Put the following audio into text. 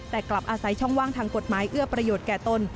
แต่กลับอาศัยช่องว่างทางกฎหมายเอื้อประโยชน์แก่ตน